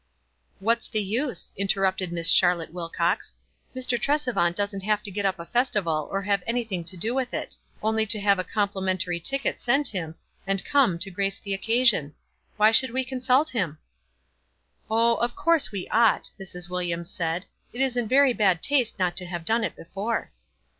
"What's the use ?" interrupted Miss Charlotte Wilcox. "Mr. Tresevant doesn't have to get up a festival or have anything to do with it — only to have a complimentary ticket sent him, and come, to grace the occasion. Why should we consult him?" "Oh, of course we ought," Mrs. Williams said. "It was in very bad taste not to have done it before."